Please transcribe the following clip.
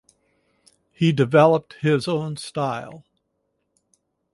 He developed his own style.